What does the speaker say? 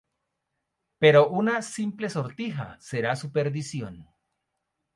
Pero una simple sortija será su perdición.